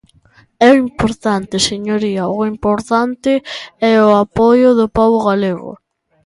É o importante, señoría, o importante é o apoio do pobo galego.